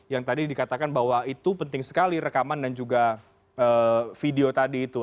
yang tadi dikatakan bahwa itu penting sekali rekaman dan juga video tadi itu